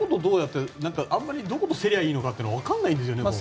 あんまり、どこと競りゃいいのか分からないんですよね。